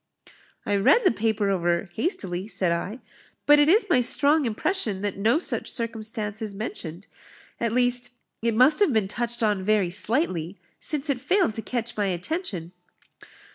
"I read the paper over hastily," said I; "but it is my strong impression that no such circumstance is mentioned; at least, it must have been touched on very slightly, since it failed to catch my attention."